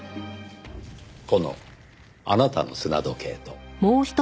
このあなたの砂時計と。